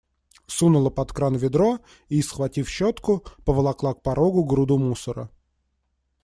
Сунула под кран ведро и, схватив щетку, поволокла к порогу груду мусора.